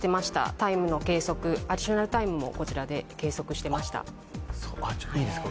タイムの計測、アディショナルタイムもこちらで計測していました。